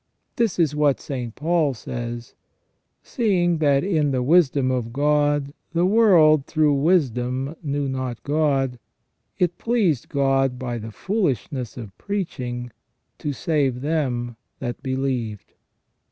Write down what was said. This is what St. Paul says :" Seeing that in the wisdom of God, the world through wisdom knew not God ; it pleased God by the foolishness of preaching to save them that believed